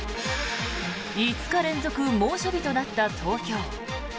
５日連続猛暑日となった東京。